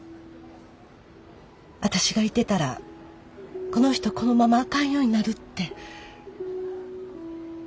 私がいてたらこの人このままあかんようになるって。